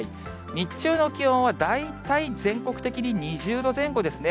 日中の気温は大体全国的に２０度前後ですね。